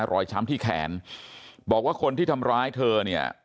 ช้ำที่แขนบอกว่าคนที่ทำร้ายเธอเนี่ย